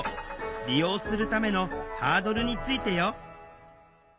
利用するためのハードルについてよ